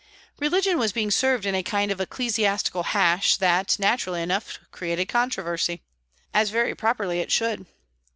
Religion was being served in a kind of ecclesiastical hash that, naturally enough, created controversy, as very properly it should.